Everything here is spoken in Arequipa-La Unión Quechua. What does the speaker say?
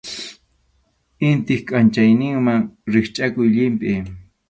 Intip kʼanchayninman rikchʼakuq llimpʼi.